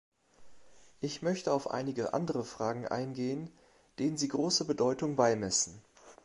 Ich möchte auf einige andere Fragen eingehen, denen Sie große Bedeutung beimessen.